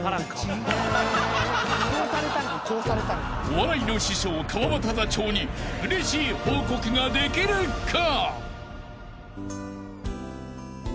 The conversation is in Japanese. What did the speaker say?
［お笑いの師匠川畑座長にうれしい報告ができるか？］